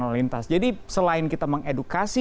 lalu lintas jadi selain kita mengedukasi